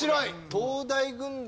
東大軍団。